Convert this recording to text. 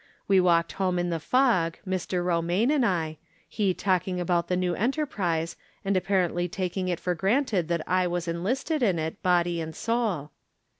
"XVe walked home in the fog, Mr. Romaine and I ; he talking about the new enterprise, and apparently taking it for granted that I was enlisted in it, body and soul.